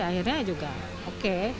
akhirnya juga oke